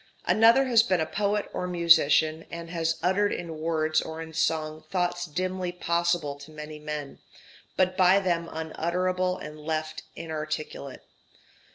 Another has been a poet or musician, and has uttered in words or in song thoughts dimly possible to many men, but by them unutterable and left inarticulate.